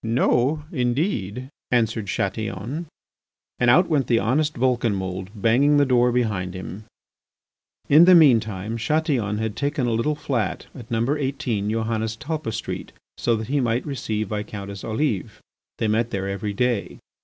"No, indeed," answered Chatillon. And out went the honest Vulcanmould, banging the door behind him. In the mean time Chatillon had taken a little flat at number 18 Johannes Talpa Street, so that he might receive Viscountess Olive. They met there every day.